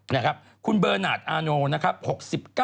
นะครับคุณเบอร์นาทอาโนนะครับ